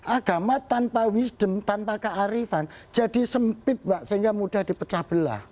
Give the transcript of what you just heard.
agama tanpa wisdom tanpa kearifan jadi sempit mbak sehingga mudah dipecah belah